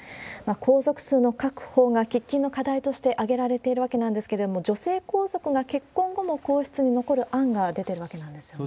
皇族数の確保が喫緊の課題として挙げられているわけなんですけれども、女性皇族が結婚後も皇室に残る案が出てるわけなんですよね。